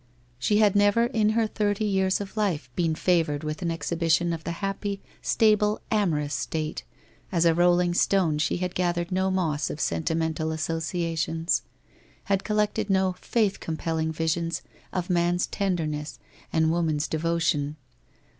She had never in her thirty years of life been favoured with an exhibition of the happy, stable, amorous state, as a rolling stone she had gathered no moss of senti mental associations, had collected no faith compelling visions of man's tenderness and woman's devotion.